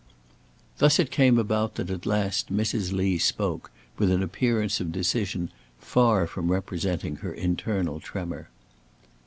Thus it came about that at last Mrs. Lee spoke, with an appearance of decision far from representing her internal tremor.